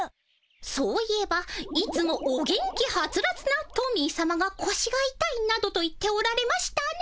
そういえばいつもお元気ハツラツなトミーさまがこしがいたいなどと言っておられましたね。